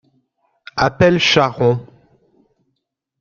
Appelle Charron.